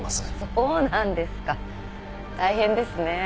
そうなんですか大変ですね。